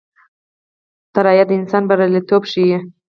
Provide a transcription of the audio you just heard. الوتکه د انسان بریالیتوب ښيي.